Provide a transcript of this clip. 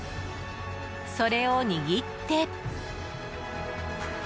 それを握って。